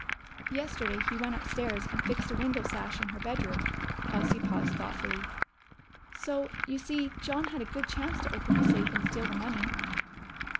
"Yesterday he went upstairs and fixed a window sash in her bedroom." Elsie paused thoughtfully. "So you see John had a good chance to open the safe and steal the money."